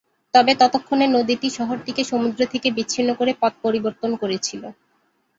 তবে ততক্ষণে নদীটি শহরটিকে সমুদ্র থেকে বিচ্ছিন্ন করে পথ পরিবর্তন করেছিল।